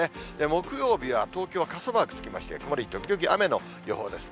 木曜日は東京は傘マークつきまして、曇り時々雨の予報です。